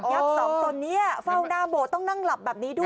ยักษ์สองตนเนี่ยเฝ้านามโบทต้องนั่งหลับแบบนี้ด้วย